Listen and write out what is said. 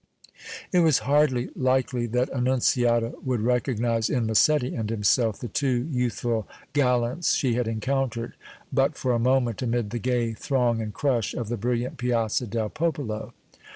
It was hardly likely that Annunziata would recognize in Massetti and himself the two youthful gallants she had encountered but for a moment amid the gay throng and crush of the brilliant Piazza del Popolo.